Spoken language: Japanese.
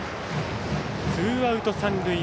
ツーアウト、三塁。